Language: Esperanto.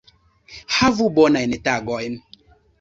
Havu bonajn tagojn!